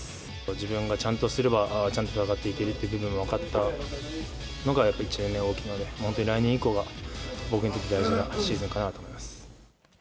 自分がちゃんとすれば、ちゃんと戦っていけるという部分が分かったのが、やっぱり１年目は大きいので、本当に来年以降が、僕にとって大事なシーズンかなと思います。